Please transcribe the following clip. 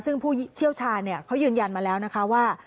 ซึ่งผู้เชี่ยวชาญเขายืนยันมาแล้วนะคะว่า